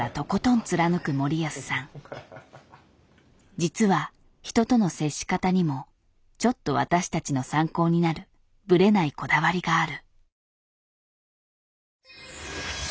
実は人との接し方にもちょっと私たちの参考になるぶれないこだわりがある。